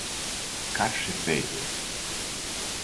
Karš ir beidzies!